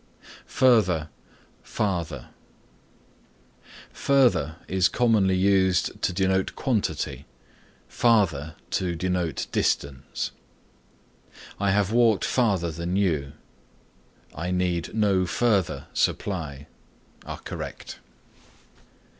FURTHER FARTHER Further is commonly used to denote quantity, farther to denote distance. "I have walked farther than you," "I need no further supply" are correct.